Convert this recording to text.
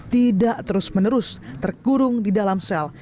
tidak terus menerus terkurung di dalam sel